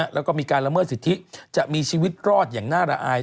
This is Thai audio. แล้วก็มีการละเมิดสิทธิจะมีชีวิตรอดอย่างน่าระอาย